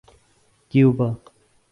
Cuba